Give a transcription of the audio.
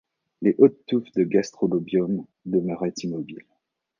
Les hautes touffes de gastrolobium demeuraient immobiles.